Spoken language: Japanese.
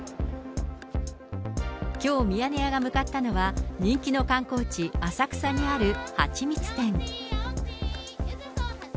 きょうミヤネ屋が向かったのは、人気の観光地、浅草にある蜂蜜店。